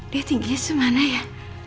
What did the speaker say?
dia tingginya semana ya